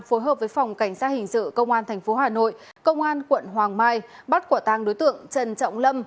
phối hợp với phòng cảnh sát hình sự công an tp hà nội công an quận hoàng mai bắt quả tàng đối tượng trần trọng lâm